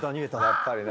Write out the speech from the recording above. やっぱりな。